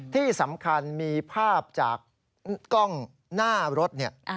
ที่สำคัญมีภาพจากกล้องหน้ารถเนี่ย